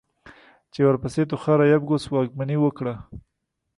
چې ورپسې توخارا يبگوس واکمني وکړه.